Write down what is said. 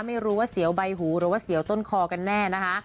ไม่รู้ว่าเสียวใบหูหรือว่าเสียวต้นคอกันแน่นะคะ